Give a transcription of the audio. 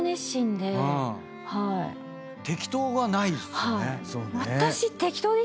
適当がないっすね。